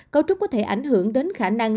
cấu trúc có thể ảnh hưởng đến khả năng